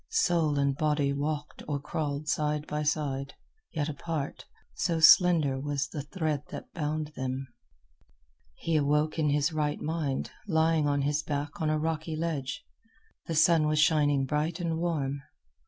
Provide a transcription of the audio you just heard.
Soul and body walked or crawled side by side, yet apart, so slender was the thread that bound them. He awoke in his right mind, lying on his back on a rocky ledge. The sun was shining bright and warm.